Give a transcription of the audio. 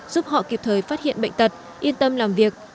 giúp họ kịp thời phát hiện bệnh tật yên tâm làm việc